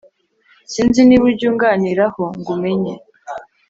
Sinz niba ujya unganiraho ngo umeny